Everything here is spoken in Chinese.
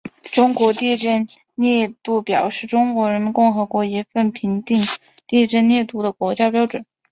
中国地震烈度表是中华人民共和国一份评定地震烈度的国家标准。